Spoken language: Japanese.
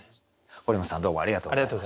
堀本さんどうもありがとうございました。